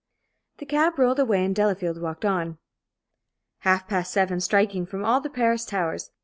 The cab rolled away, and Delafield walked on. Half past seven, striking from all the Paris towers!